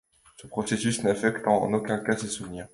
Ce processus n'affecte en aucun cas ses souvenirs.